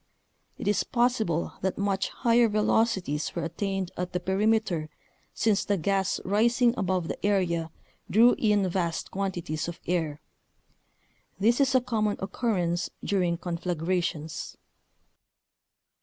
It is possible that much higher velocities were attained at the perimeter since the gas rising above the area drew in vast quantities of air. This is a common occurrence during conflagrations.